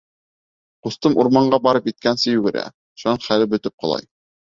Ҡустым урманға барып еткәнсе йүгерә, шунан хәле бөтөп ҡолай.